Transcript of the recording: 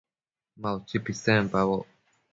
Ma utsi pisenpacboc